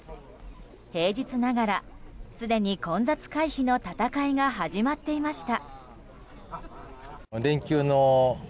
平日ながらすでに混雑回避の戦いが始まっていました。